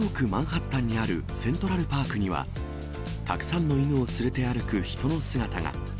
ニューヨーク・マンハッタンにあるセントラルパークには、たくさんの犬を連れて歩く人の姿が。